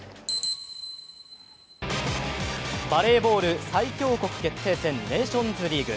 バレーボール最強国決定戦、ネーションズリーグ。